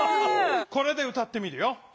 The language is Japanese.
これで歌ってみるよ。